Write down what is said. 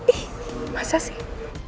ih masa sih